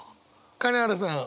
金原さん